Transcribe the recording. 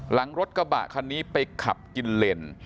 หลังรถกระบะคันนี้ไปขับกินเลน